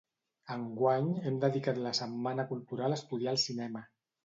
Enguany hem dedicat la Setmana Cultural a estudiar el cinema.